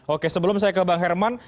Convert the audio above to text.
oke sebelum saya ke bang herman